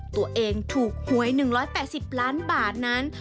ตัวเองถูกหวย๑๘๐ล้านบาทนั้น